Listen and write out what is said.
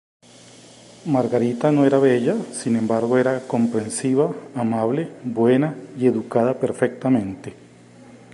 Margarita no era bella, sin embargo era comprensiva, amable, buena y educada perfectamente.